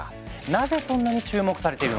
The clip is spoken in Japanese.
なぜそんなに注目されているのか？